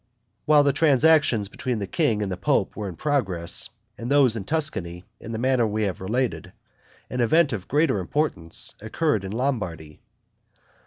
While the transactions between the king and the pope were in progress, and those in Tuscany in the manner we have related, an event of greater importance occurred in Lombardy.